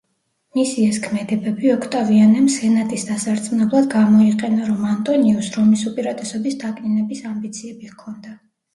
მისი ეს ქმედებები ოქტავიანემ სენატის დასარწმუნებლად გამოიყენა, რომ ანტონიუსს რომის უპირატესობის დაკნინების ამბიციები ჰქონდა.